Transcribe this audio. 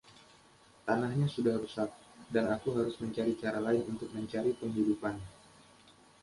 Tanahnya sudah rusak, dan aku harus mencari cara lain untuk mencari penghidupan.